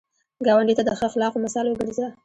ګاونډي ته د ښه اخلاقو مثال وګرځه